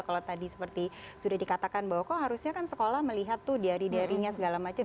kalau tadi seperti sudah dikatakan bahwa kok harusnya kan sekolah melihat tuh diari diarinya segala macam